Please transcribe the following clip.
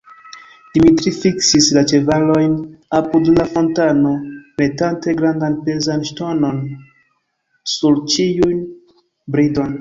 Dimitri fiksis la ĉevalojn apud la fontano, metante grandan pezan ŝtonon sur ĉiun bridon.